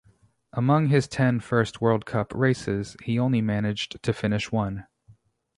Among his ten first World Cup races he only managed to finished one.